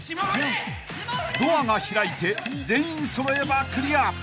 ［ドアが開いて全員揃えばクリア］